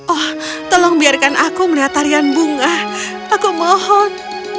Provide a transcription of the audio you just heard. oh tolong biarkan aku melihat tarian bunga aku mohon